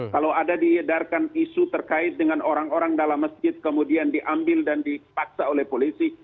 kalau ada diedarkan isu terkait dengan orang orang dalam masjid kemudian diambil dan dipaksa oleh polisi